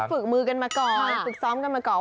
ฝึกมือกันมาก่อนฝึกซ้อมกันมาก่อน